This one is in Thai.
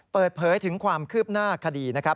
เปิดเผยถึงความคืบหน้าคดีนะครับ